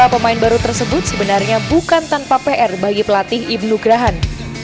lima pemain baru tersebut sebenarnya bukan tanpa pr bagi pelatih ibnu grahan